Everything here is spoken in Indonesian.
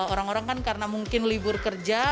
orang orang kan karena mungkin libur kerja